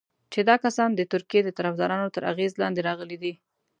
چې دا کسان د ترکیې د طرفدارانو تر اغېز لاندې راغلي دي.